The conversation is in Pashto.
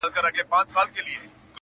• پاچاهان را ته بخښي لوی جاګیرونه -